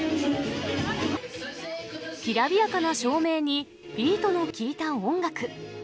きらびやかな照明に、ビートの効いた音楽。